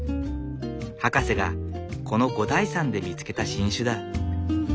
博士がこの五台山で見つけた新種だ。